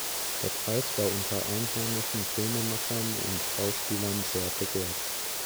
Der Preis war unter einheimischen Filmemachern und Schauspielern sehr begehrt.